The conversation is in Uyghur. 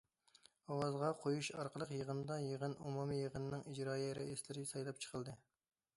ئاۋازغا قويۇش ئارقىلىق يىغىندا يىغىن ئومۇمىي يىغىنىنىڭ ئىجرائىيە رەئىسلىرى سايلاپ چىقىلدى.